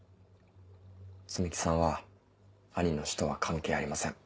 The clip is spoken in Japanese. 摘木さんは兄の死とは関係ありません。